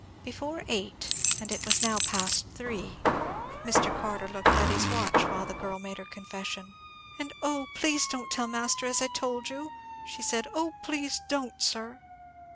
Before eight, and it was now past three. Mr. Carter looked at his watch while the girl made her confession. "And, oh, please don't tell master as I told you," she said; "oh, please don't, sir."